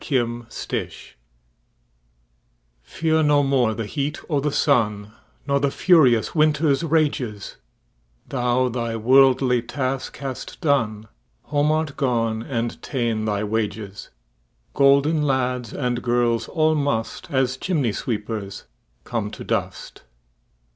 Fidele FEAR no more the heat o' the sunNor the furious winter's rages; Thou thy worldly task hast done, Home art gone and ta'en thy wages:Golden lads and girls all must, As chimney sweepers, come to dust.